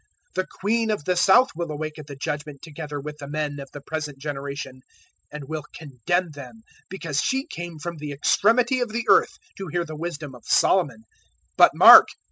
011:031 The Queen of the South will awake at the Judgement together with the men of the present generation, and will condemn them; because she came from the extremity of the earth to hear the wisdom of Solomon; but mark!